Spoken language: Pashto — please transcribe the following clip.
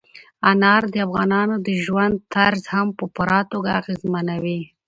انار د افغانانو د ژوند طرز هم په پوره توګه اغېزمنوي.